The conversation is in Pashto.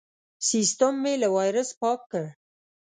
سیستم مې له وایرس پاک کړ.